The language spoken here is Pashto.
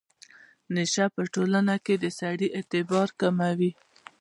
نشه په ټولنه کې د سړي اعتبار کموي.